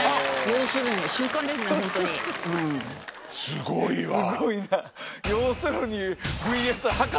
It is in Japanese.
すごいわ！